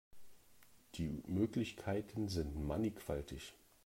Die Möglichkeiten sind mannigfaltig.